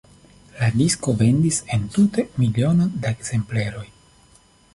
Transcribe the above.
La disko vendis entute milionon da ekzempleroj.